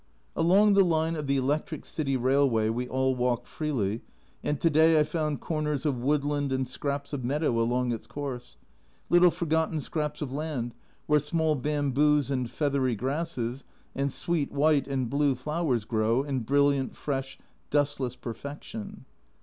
Along the line of the electric city railway we all walk freely, and to day I found corners of woodland and scraps of meadow along its course little forgotten scraps of land where small bamboos and feathery grasses, and sweet white and blue flowers grow in brilliant, fresh, dustless perfection.